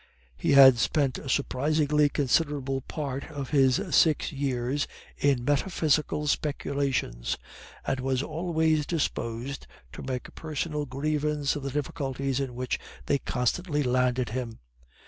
He had spent a surprisingly considerable part of his six years in metaphysical speculations, and was always disposed to make a personal grievance of the difficulties in which they constantly landed him.